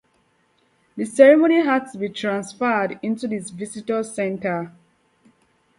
The ceremony had to be transferred into the visitor center.